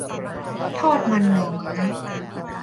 ทอดมันหน่อไม้